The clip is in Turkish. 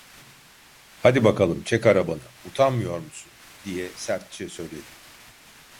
"Hadi bakalım, çek arabanı, utanmıyor musun?" diye sertçe söyledim.